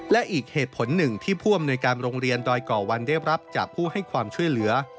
และอีกเหตุผลหนึ่งที่ผู้อำนวยการโรงเรียนดอยก่อวันได้รับจากผู้ให้ความช่วยเหลือ